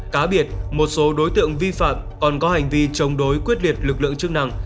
cá biệt một số đối tượng vi phạm còn có hành vi chống đối quyết liệt lực lượng chức năng